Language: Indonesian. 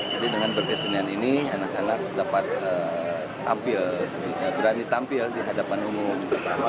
jadi dengan berkesenian ini anak anak dapat tampil berani tampil di hadapan umum